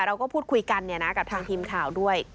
เราก็พูดคุยกันกับทางทีมข่าวด้วย